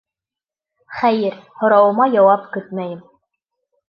Хәйер, һорауыма яуап көтмәйем.